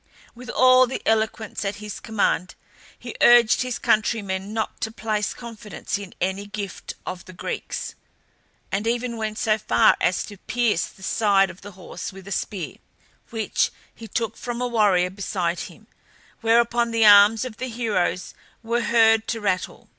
With all the eloquence at his command he urged his countrymen not to place confidence in any gift of the Greeks, and even went so far as to pierce the side of the horse with a spear which he took from a warrior beside him, whereupon the arms of the heroes were heard to rattle.